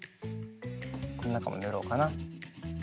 このなかもぬろうかな。